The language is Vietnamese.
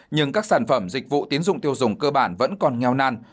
nhưng các sản phẩm dịch vụ tiến dụng tiêu dùng cơ bản vẫn còn nghèo nan